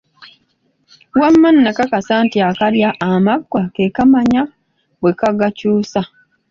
Wamma nakakasa nti akalya amaggwa, ke kamanya bwe kagakyusa.